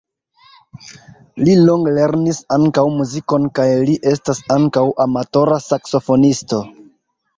Li longe lernis ankaŭ muzikon kaj li estas ankaŭ amatora saksofonisto.